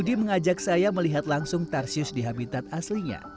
edi mengajak saya melihat langsung tarsius di habitat aslinya